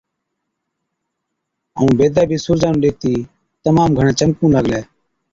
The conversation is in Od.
ائُون بيدَي بِي سُورجا نُون ڏيکتِي تمام گھڻَي چمڪُون لاگلَي۔